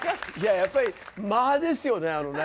やっぱり間ですよねあのね。